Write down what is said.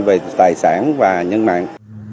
về tài sản và nhân mạng